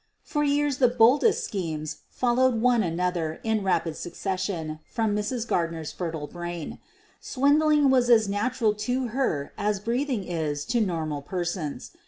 For years the boldest schemes followed one an other in rapid succession from Mrs. Gardner's fer tile brain. Swindling was as natural to her as breathing is to normal persons.